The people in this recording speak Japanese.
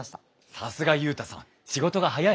さすがユウタさん仕事が早い！